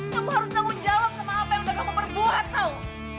kamu harus tanggung jawab sama apa yang sudah kamu perbuat tahu